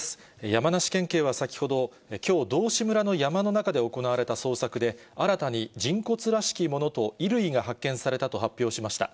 山梨県警は先ほど、きょう、道志村の山の中で行われた捜索で、新たに人骨らしきものと衣類が発見されたと発表しました。